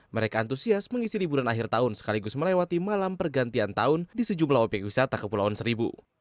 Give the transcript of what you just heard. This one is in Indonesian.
mereka antusias mengisi liburan akhir tahun sekaligus melewati malam pergantian tahun di sejumlah obyek wisata kepulauan seribu